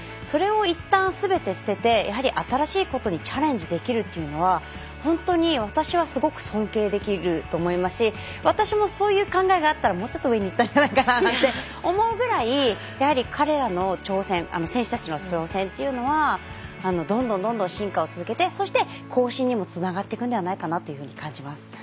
それをいったんすべて捨てて新しいことにチャレンジできるというのは本当に私はすごく尊敬できると思いますし私も、そういう考えがあったらもうちょっと上に行ったんじゃないかなって思うぐらいやはり彼らの挑戦選手たちの挑戦というのはどんどん進化を続けてそして、後身にもつながっていくんじゃないかと思っています。